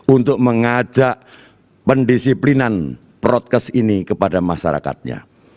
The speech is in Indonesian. untuk mengajak pendisiplinan protes ini kepada masyarakatnya